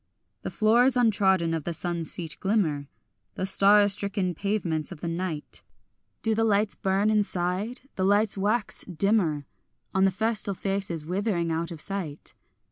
The floors untrodden of the sun's feet glimmer, The star unstricken pavements of the night; Do the lights burn inside? the lights wax dimmer On festal faces withering out of sight.